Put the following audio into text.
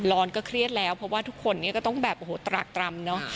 ร้อนก็เครียดแล้วเพราะว่าทุกคนเนี่ยก็ต้องแบบโอ้โหตรากตรำเนอะ